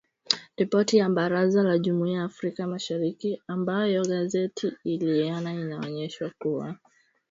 Ripoti ya Baraza la jumuia ya Afrika mashariki ambayo gazeti iliiona inaonyesha kuwa